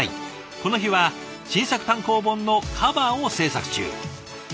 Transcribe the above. この日は新作単行本のカバーを制作中。